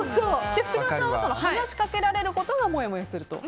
福田さんは話しかけられることがもやもやすると。